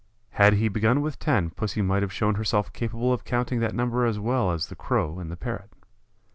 Had he begun with ten Pussy might have shown herself capable of counting that number as well as the Crow and the Parrot.